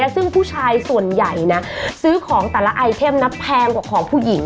ซึ่งผู้ชายส่วนใหญ่ซื้อของอาเต็มต่ำแพงกว่าของผู้หญิง